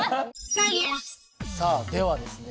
さあではですね